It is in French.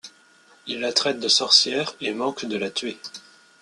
Il la traite de sorcière et manque de la tuer.